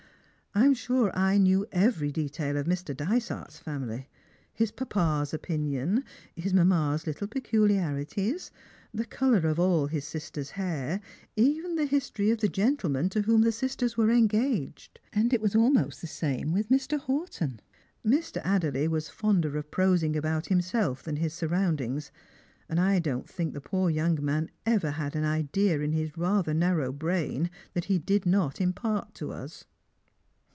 I'm sure I knew every detail of Mr. Dysart's family — his papa's opinions, his mamma's little pecu liarities, the colour of all his sisters' hair, even the history oi the gentlemen to whom the sisters were engaged. AnditVaa almost the same with Mr. Horton. Mr. Adderley was fonder of prosing about himself than his surroundings, and I don't think the poor young man ever had an idea in his rather narrow brain that he did not impart to us."